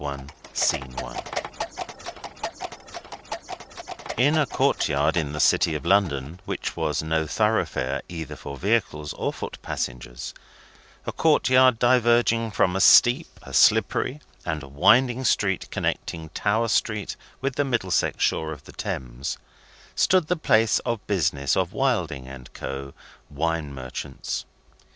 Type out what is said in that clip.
THE CURTAIN RISES In a court yard in the City of London, which was No Thoroughfare either for vehicles or foot passengers; a court yard diverging from a steep, a slippery, and a winding street connecting Tower Street with the Middlesex shore of the Thames; stood the place of business of Wilding & Co., Wine Merchants.